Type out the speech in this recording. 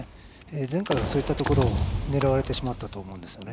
前回はそういったところを狙われてしまったと思うんですね。